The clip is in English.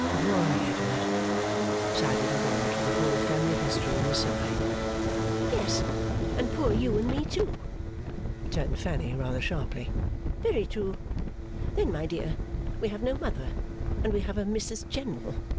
'Poor Edward!' sighed Little Dorrit, with the whole family history in the sigh. 'Yes. And poor you and me, too,' returned Fanny, rather sharply. 'Very true! Then, my dear, we have no mother, and we have a Mrs General.